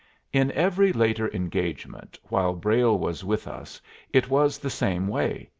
In every later engagement while Brayle was with us it was the same way.